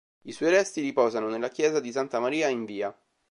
I suoi resti riposano nella chiesa di Santa Maria in Via.